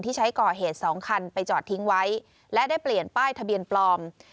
ใช้ก่อเหตุสองคันไปจอดทิ้งไว้และได้เปลี่ยนป้ายทะเบียนปลอม